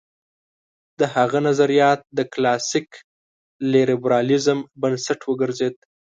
د هغه نظریات د کلاسیک لېبرالېزم بنسټ وګرځېد.